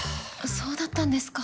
そうだったんですか。